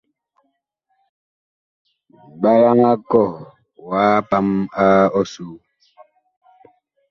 Mɓalaŋ a kɔh wa pam ɔsoo.